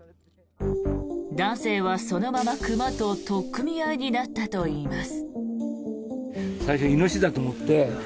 男性はそのまま熊と取っ組み合いになったといいます。